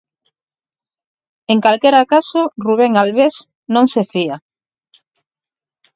En calquera caso, Rubén Albés non se fía.